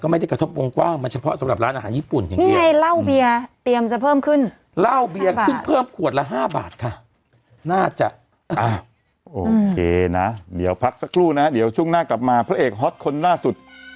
ค่ะน่าจะเอ้าโอเคนะเดี๋ยวพักสักครู่นะเดี๋ยวชุ่งหน้ากลับมาพระเอกฮอตต์คนน่าสุด